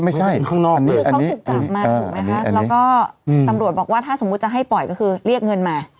ข้างนอกนี่คือเขาถูกจับมาถูกไหมคะแล้วก็ตำรวจบอกว่าถ้าสมมุติจะให้ปล่อยก็คือเรียกเงินมา